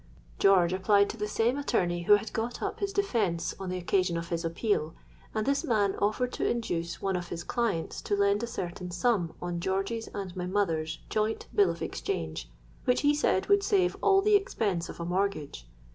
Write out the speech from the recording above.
George applied to the same attorney who had got up his defence on the occasion of his appeal; and this man offered to induce one of his clients to lend a certain sum on George's and my mother's joint bill of exchange, which he said would save all the expense of a mortgage.